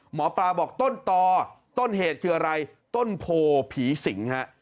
หมอปลาบอกต้นต่อต้นเหตุคืออะไรต้นโพผีสิงฮะ